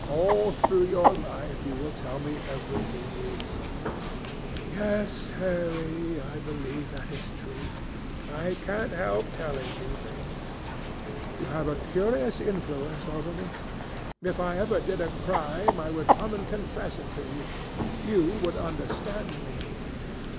All through your life you will tell me everything you do." "Yes, Harry, I believe that is true. I cannot help telling you things. You have a curious influence over me. If I ever did a crime, I would come and confess it to you. You would understand me."